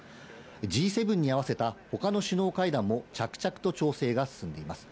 Ｇ７に合わせたほかの首脳会談も着々と調整が進んでいます。